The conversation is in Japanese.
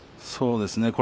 そうですね。